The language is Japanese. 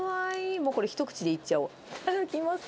もうこれ一口でいっちゃおう、いただきます。